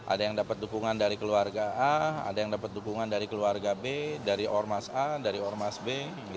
ada yang dapat dukungan dari keluarga a ada yang dapat dukungan dari keluarga b dari ormas a dari ormas b